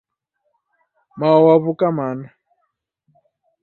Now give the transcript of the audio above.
Mao waw'uka mana?